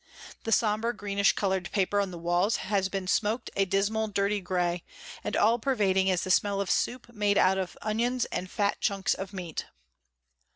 The sombre greenish colored paper on the walls has been smoked a dismal dirty grey, and all pervading is the smell of soup made out of onions and fat chunks of meat.